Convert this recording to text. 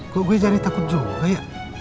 kok gue jadi takut juga ya